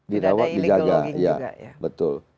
dirawat dijaga betul